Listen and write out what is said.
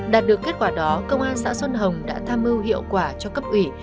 đạt được kết quả đó công an xã xuân hồng đã tham mưu hiệu quả cho cấp ủy